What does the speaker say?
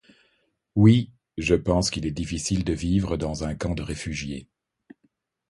Oui, je pense qu'il est difficile de vivre dans un camp de réfugiés.